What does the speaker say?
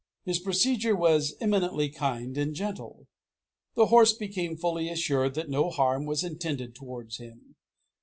His procedure was eminently kind and gentle. The horse became fully assured that no harm was intended towards him.